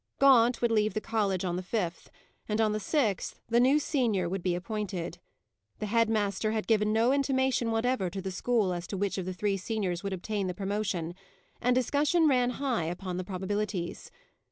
Gaunt would leave the college on the fifth; and on the sixth the new senior would be appointed. The head master had given no intimation whatever to the school as to which of the three seniors would obtain the promotion, and discussion ran high upon the probabilities.